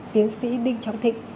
tiến sĩ đinh trọng thịnh